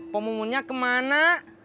poh mumunnya kemana